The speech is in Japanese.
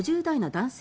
男性